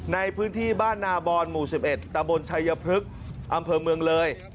ในพื้นที่บ้านนาบอนหมู่๑๑ตะบนชัยพฤกษ์อำเภอเมืองเลย